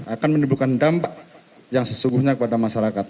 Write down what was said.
akan menimbulkan dampak yang sesungguhnya kepada masyarakat